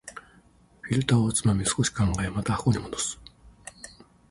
フィルターをつまみ、少し考え、また箱に戻す